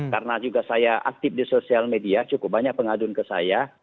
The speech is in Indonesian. karena juga saya aktif di sosial media cukup banyak pengadun ke saya